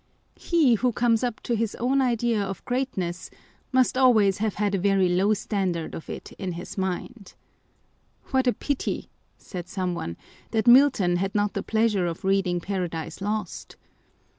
He who comes up to his own idea of great ness, must always have had a very low standard of it in his mind. " What a pity," said some one, " that Milton had not the pleasure of reading Paradise Lost